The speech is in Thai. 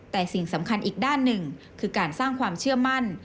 แต่สิ่งสำคัญอีกด้านหนึ่งคือการสร้างความเชื่อมั่น